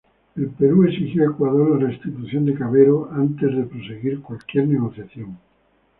El Perú exigió a Ecuador la restitución de Cavero para proseguir cualquier negociación.